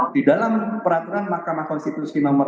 di dalam peraturan mahkamah konstitusi no satu